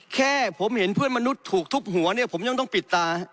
แค่ผมเห็นเพื่อนมนุษย์ถูกทุบหัวเนี่ยผมยังต้องปิดตา